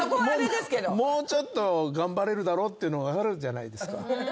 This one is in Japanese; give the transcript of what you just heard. もうちょっと頑張れるだろっていうのがあるじゃないですか。